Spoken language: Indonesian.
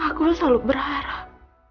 aku selalu berharap